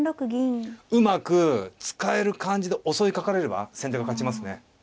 うまく使える感じで襲いかかれれば先手が勝ちますねはい。